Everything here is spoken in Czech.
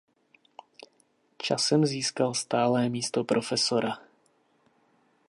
Časem získal stálé místo profesora.